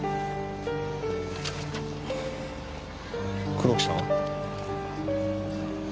黒木さん？